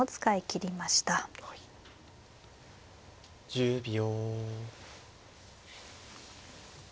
１０秒。